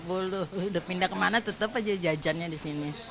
udah pindah kemana tetap aja jajannya di sini